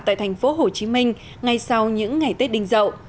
tại thành phố hồ chí minh ngay sau những ngày tết đình dậu